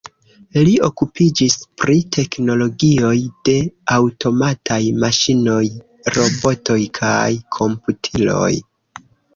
Li okupiĝis pri teknologioj de aŭtomataj maŝinoj, robotoj kaj komputiloj.